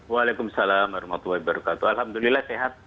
waalaikumsalam warahmatullahi wabarakatuh alhamdulillah sehat